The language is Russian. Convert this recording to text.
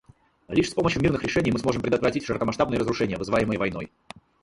Лишь с помощью мирных решений мы сможем предотвратить широкомасштабные разрушения, вызываемые войной.